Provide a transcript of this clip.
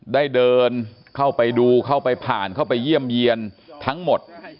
ได้เดินเข้าไปดูเข้าไปผ่านเข้าไปเยี่ยมเยี่ยนทั้งหมด